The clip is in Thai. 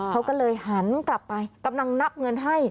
เขาก็เลยหันกลับไปกำลังนับเงินให้